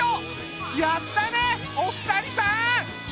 やったねお二人さん！